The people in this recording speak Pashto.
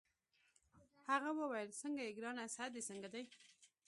هغه وویل: څنګه يې ګرانه؟ صحت دي څنګه دی؟